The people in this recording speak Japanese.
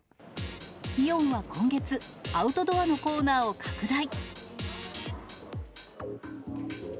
イオンは今月、アウトドアのコーナーを拡大。